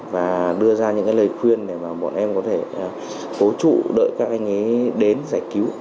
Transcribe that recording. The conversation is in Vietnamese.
và đưa ra những lời khuyên để mà bọn em có thể cố trụ đợi các anh nhé đến giải cứu